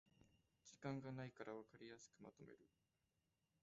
時間がないからわかりやすくまとめる